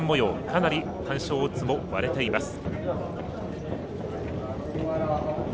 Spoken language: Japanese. かなり単勝オッズも割れています。